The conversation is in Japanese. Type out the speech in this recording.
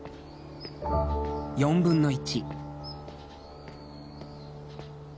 ４分の１。